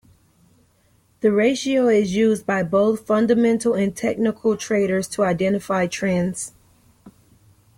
The ratio is used by both fundamental and technical traders to identify trends.